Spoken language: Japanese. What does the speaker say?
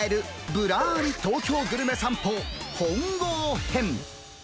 ぶらーり東京グルメ散歩本郷編。